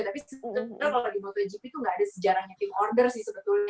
tapi sebenernya kalau di moto jipi tuh gak ada sejarahnya tim order sih sebetulnya ya